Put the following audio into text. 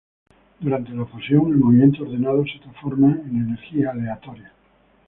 Durante la fusión, el movimiento ordenado se transforma en energía aleatoria.